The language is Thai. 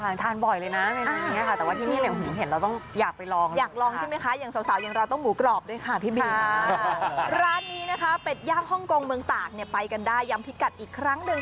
ร้านนี้นะคะเป็ดย่างฮ่องกงเมืองตากเนี่ยไปกันได้ย้ำพิกัดอีกครั้งหนึ่ง